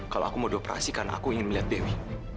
kalau aku mau doperasi karena aku ingin melihat dewi